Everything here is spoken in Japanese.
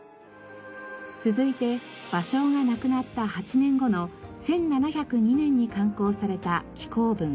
続いて芭蕉が亡くなった８年後の１７０２年に刊行された紀行文